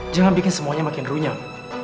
jangan bikin semuanya makin runyam